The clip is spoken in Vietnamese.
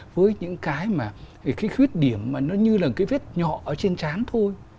với những cái mà cái khuyết điểm mà nó như là cái vết nhọ ở trên chán thôi